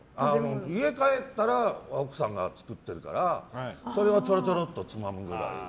家帰ったら奥さんが作ってるからそれをちょろちょろってつまむくらいで。